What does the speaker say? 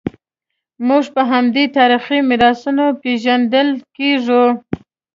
موږ په همدې تاریخي میراثونو پېژندل کېږو.